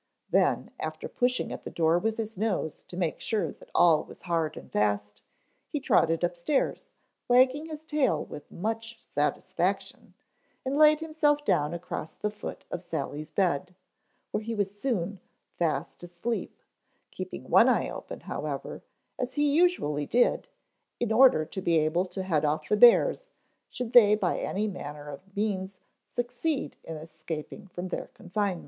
Then after pushing at the door with his nose to make sure that all was hard and fast he trotted upstairs, wagging his tail with much satisfaction and laid himself down across the foot of Sally's bed, where he was soon fast asleep; keeping one eye open, however, as he usually did, in order to be able to head off the bears should they by any manner of means succeed in escaping from their confinement.